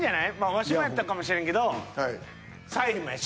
ワシもやったかもしれんけど沙莉もやし。